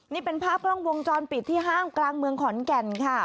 นี่เป็นภาพกล้องวงจรปิดที่ห้างกลางเมืองขอนแก่นค่ะ